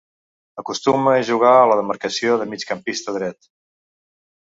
Acostuma a jugar a la demarcació de migcampista dret.